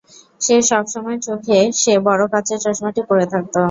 সে সবসময় চোখে সে বড় কাঁচের চশমাটি পরে থাকতো।